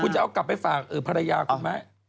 คุณจะเอากลับไปฝากภรรยากูสิ